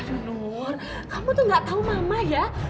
aduh nur kamu tuh gak tau mama ya